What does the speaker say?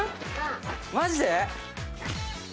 マジで？